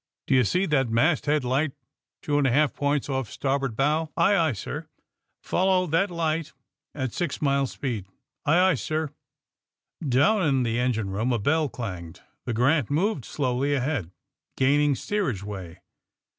*^Do you see that masthead light two and a half points off starboard bowf" *^Aye, aye, sir." *' Follow that light at six mile speed." *^Aye, aye, sir." Down in the engine room a bell clanged. The '* Grant" moved slowly ahead, gaining steerage way.